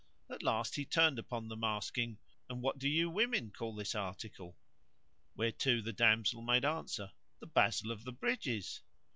At last he turned upon them asking, And what do you women call this article?" Whereto the damsel made answer, "The basil of the bridges."